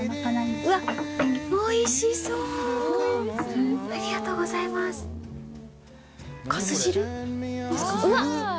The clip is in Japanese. うわっ！